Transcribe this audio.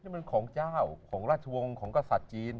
นี่มันของเจ้าของราชวงศ์ของกษัตริย์จีน